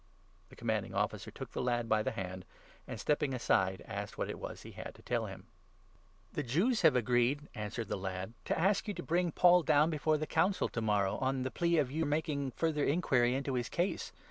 The Commanding Officer took the lad by the hand, and, step 19 ping aside, asked what it was he had to tell him. 5 Exod. 22. 28. 260 THE ACTS, 23 24. " The Jews have agreed," answered the lad, " to ask you to 20 bring Paul down before the Council to morrow, on the plea of your making further inquiry into his case.